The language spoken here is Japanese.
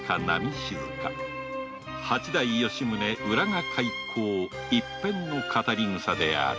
静か八代将軍・吉宗浦賀開港一篇の語り草である